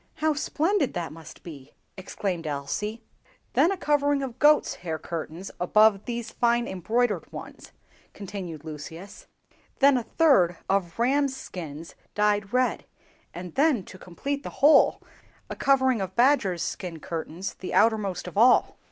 "How splendid that must be!" exclaimed Elsie. "Then a covering of goats' hair curtains above these fine embroidered ones," continued Lucius; "then a third of rams' skins dyed red; and then, to complete the whole, a covering of badgers' skin curtains the outermost of all."